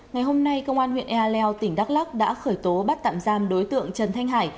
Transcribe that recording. ngày hôm nay công an huyện ea leo tỉnh đắk lắc đã khởi tố bắt tạm giam đối tượng trần thanh hải